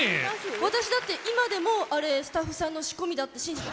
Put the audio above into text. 私だって今でもあれスタッフさんの仕込みだって信じてます。